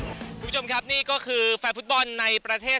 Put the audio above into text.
คุณผู้ชมครับนี่ก็คือแฟนฟุตบอลในประเทศ